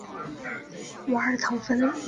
瓦尔滕霍芬是德国巴伐利亚州的一个市镇。